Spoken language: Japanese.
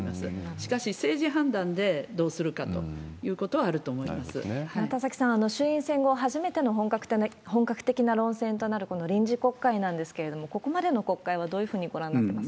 しかし、政治判断でどうするかと田崎さん、衆院選後初めての本格的な論戦となる、この臨時国会なんですけれども、ここまでの国会はどういうふうにご覧になってます？